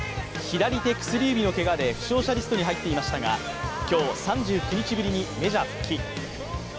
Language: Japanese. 左手薬指のけがで負傷者リストに入っていましたが今日、３９日ぶりにメジャー復帰。